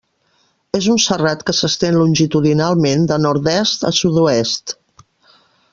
És un serrat que s'estén longitudinalment de nord-est a sud-oest.